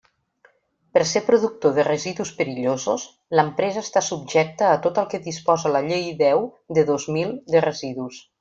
Per ser productor de residus perillosos, l'empresa està subjecta a tot el que disposa la Llei deu de dos mil, de residus.